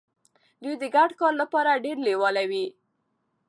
دوی د ګډ کار لپاره ډیر لیواله وي.